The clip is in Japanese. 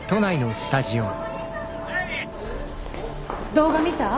動画見た？